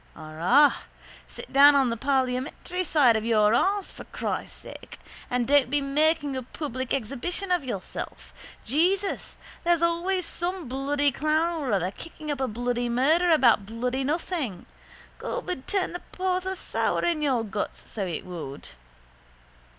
Arrah, sit down on the parliamentary side of your arse for Christ' sake and don't be making a public exhibition of yourself. Jesus, there's always some bloody clown or other kicking up a bloody murder about bloody nothing. Gob, it'd turn the porter sour in your guts, so it would.